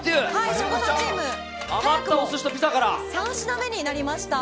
省吾さんチーム３品目になりました。